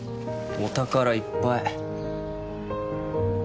お宝いっぱい。